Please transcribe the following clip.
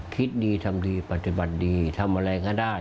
คิดดีทำดีปฏิบัติดีทำอะไรก็ได้